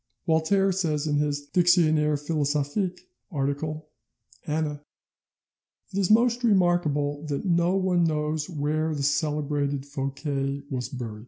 Voltaire says in his 'Dictionnaire philosophique', article "Ana," "It is most remarkable that no one knows where the celebrated Fouquet was buried."